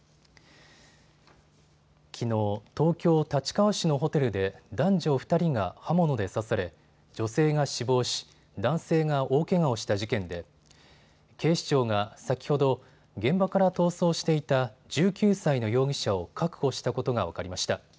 きのう、東京立川市のホテルで男女２人が刃物で刺され女性が死亡し男性が大けがをした事件で警視庁が先ほど現場から逃走していた１９歳の容疑者を確保したことが分かりました。